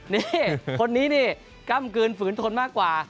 นี่คนนี้นี่กล้ำกลืนฝืนทนมากกว่า